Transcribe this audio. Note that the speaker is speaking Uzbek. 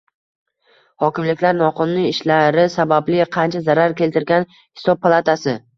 Hokimliklar noqonuniy ishlari sababli qancha zarar keltirilgan Hisob palatasi